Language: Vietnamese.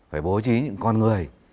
phải bố trí những con người